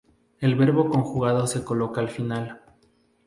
El verbo conjugado se coloca al final.